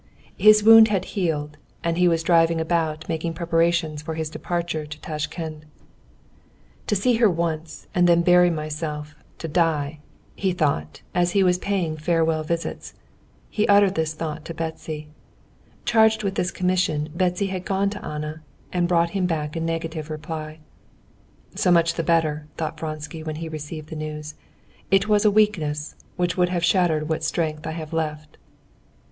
His wound had healed, and he was driving about making preparations for his departure for Tashkend. "To see her once and then to bury myself, to die," he thought, and as he was paying farewell visits, he uttered this thought to Betsy. Charged with this commission, Betsy had gone to Anna, and brought him back a negative reply. "So much the better," thought Vronsky, when he received the news. "It was a weakness, which would have shattered what strength I have left."